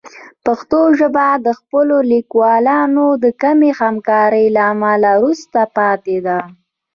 پښتو ژبه د خپلو لیکوالانو د کمې همکارۍ له امله وروسته پاتې ده.